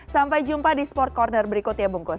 sampai jumpa di sport corner berikut ya bungkus